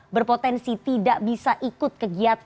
berpotensi tidak bisa ikut kegiatan